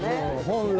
本来。